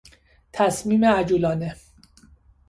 تصمیم عجولانه